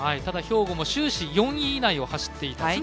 兵庫も終始４位以内を走っていた。